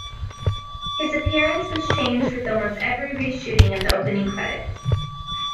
His appearance was changed with almost every reshooting of the opening credits.